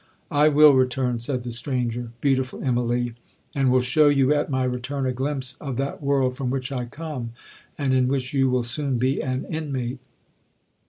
'—'I will return,' said the stranger, 'beautiful Immalee, and will shew you, at my return, a glimpse of that world from which I come, and in which you will soon be an inmate.'